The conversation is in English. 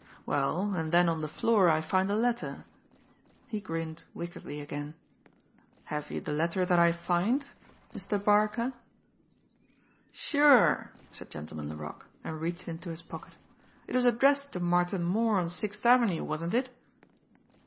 Well, and then on the floor I find a letter." He grinned wickedly again. "Have you the letter that I find Mister Barca?" "Sure," said Gentleman Laroque and reached into his pocket. "It was addressed to Martin Moore on Sixth Avenue, wasn't it?"